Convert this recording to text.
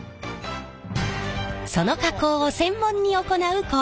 その加工を専門に行う工場へ。